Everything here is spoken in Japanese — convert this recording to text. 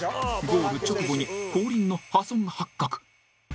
ゴール直後に後輪の破損発覚。